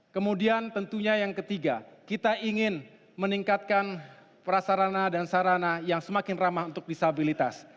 kemudian tentunya yang ketiga kita ingin meningkatkan prasarana dan sarana yang semakin ramah untuk disabilitas